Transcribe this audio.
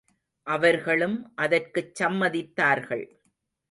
அவர்களும் அதற்குச் சம்மதித்தார்கள்.